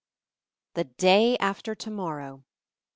THE day after to morrow!